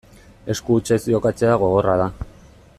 Esku hutsez jokatzea gogorra da.